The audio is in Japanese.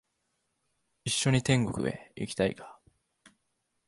一緒に天国へ行きたいか？